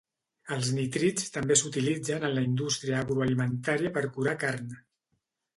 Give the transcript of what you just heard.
Els nitrits també s'utilitzen en la industria agroalimentària per curar carn.